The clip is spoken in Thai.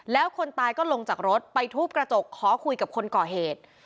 แล้วคนตายก็ลงจากรถไปทุบกระจกขอคุยกับคนก่อเหตุ